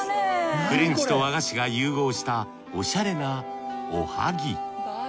フレンチと和菓子が融合したおしゃれなおはぎ。